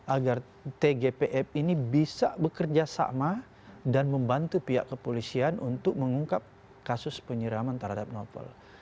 agar tgpf ini bisa bekerja sama dan membantu pihak kepolisian untuk mengungkap kasus penyiraman terhadap novel